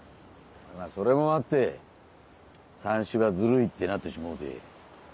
それもあってさんしはズルいってなってしもうて。